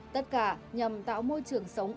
tất cả nhằm tạo môi trường sống